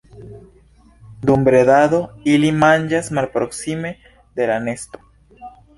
Dum bredado ili manĝas malproksime de la nesto.